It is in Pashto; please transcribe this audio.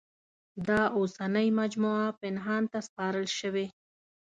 دا اوسنۍ مجموعه پنهان ته سپارل شوې.